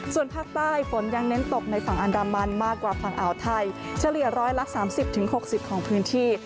ส่วนภาคใต้ฝนยังเน้นตกในฝั่งอันดามันมากกว่าฝั่งอ่าวไทยเฉลี่ยร้อยละสามสิบถึงหกสิบของพื้นที่